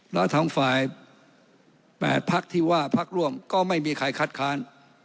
แล้วทั้งฝ่าย๘พักที่ว่าพักร่วมก็ไม่มีใครคัดค้าน